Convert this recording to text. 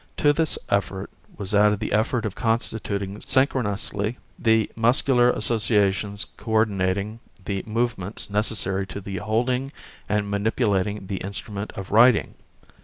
To this effort was added the effort of constituting synchronously the muscular associations co ordinating the movements necessary to the holding and manipulating the instrument of writing.